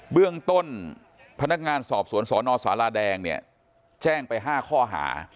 เบื้องต้นพนักงานสอบสวนสนสาราแดงเนี่ยแจ้งไป๕ข้อหา